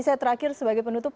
saya terakhir sebagai penutup